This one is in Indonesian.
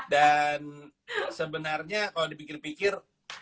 dan sebenarnya kalo dibikin pikir